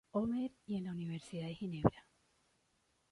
Omer y en la Universidad de Ginebra.